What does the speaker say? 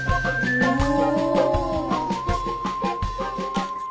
おお！